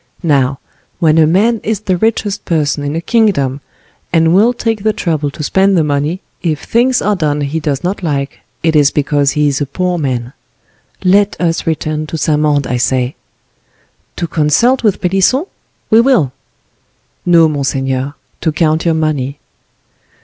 Now, when a man is the richest person in a kingdom, and will take the trouble to spend the money, if things are done he does not like, it is because he is a poor man. Let us return to Saint Mande, I say." "To consult with Pelisson?—we will." "No, monseigneur, to count your money."